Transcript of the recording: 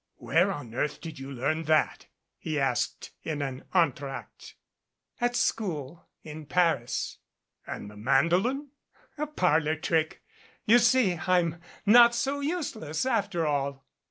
"Where on earth did you learn that?" he asked in an entr'acte. "At school in Paris." "And the mandolin?" "A parlor trick. You see, I'm not so useless, after all."